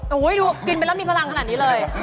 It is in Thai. โอ้โหดูกินไปแล้วมีพลังขนาดนี้เลย